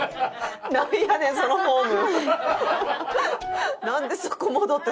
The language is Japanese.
なんやねんそのフォーム。